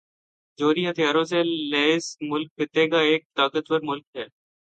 جوہری ہتھیاروں سے لیس یہ ملک خطے کا ایک طاقتور ملک ہے